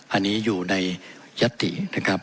อันนี้อยู่ในยัตตินะครับ